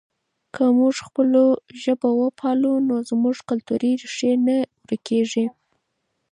که موږ خپله ژبه وپالو نو زموږ کلتوري ریښې نه ورکېږي.